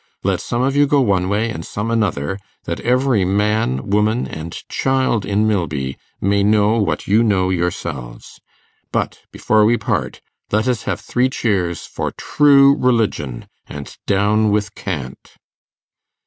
Let some of you go one way and some another, that every man, woman, and child in Milby may know what you know yourselves. But before we part, let us have three cheers for True Religion, and down with Cant!